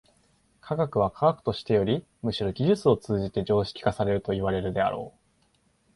科学は科学としてよりむしろ技術を通じて常識化されるといわれるであろう。